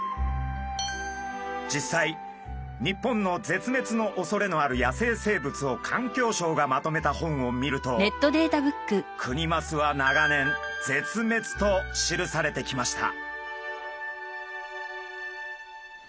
実際日本の絶滅のおそれのある野生生物を環境省がまとめた本を見るとクニマスは長年「絶滅」と記されてきました。